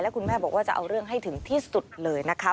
คุณแม่บอกว่าจะเอาเรื่องให้ถึงที่สุดเลยนะคะ